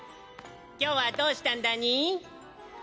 今日はどうしたんだに？